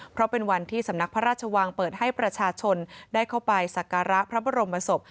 เพราะเป็นวันที่สำนักพระราชวังเปิดให้ประชาชนได้เข้าไปสักการะพระบรมศพ